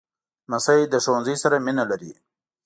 لمسی له ښوونځي سره مینه لري.